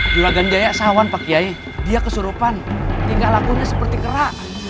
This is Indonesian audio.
juragan jaya sawan pak kiai dia kesurupan tinggal lakunya seperti kera